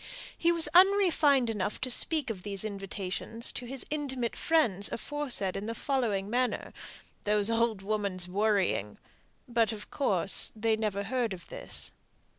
He was even unrefined enough to speak of these invitations to his intimate friends aforesaid as "those old women's worrying," but, of course, they never heard of this.